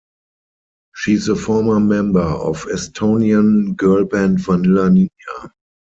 She is a former member of Estonian girl band Vanilla Ninja.